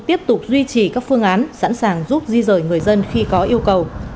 tiếp tục duy trì các phương án sẵn sàng giúp di rời người dân khi có yêu cầu